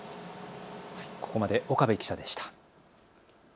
ここまで岡部記者でした。